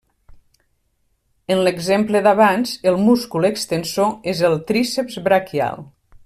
En l'exemple d'abans el múscul extensor és el tríceps braquial.